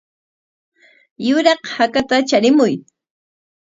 Yuraq hakata charimuy.